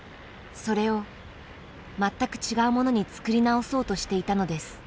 それを全く違うものに作り直そうとしていたのです。